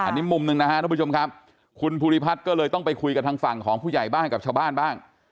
อันนี้มุมหนึ่งนะครับทุกผู้ชมครับคุณภูริพัฒน์ก็เลยต้องไปคุยกับทางฝั่งของผู้ใหญ่บ้านกับชาวบ้านบ้าง